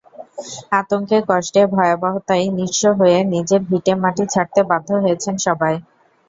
আতঙ্কে, কষ্টে, ভয়াবহতায়, নিঃস্ব হয়ে নিজের ভিটেমাটি ছাড়তে বাধ্য হয়েছেন সবাই।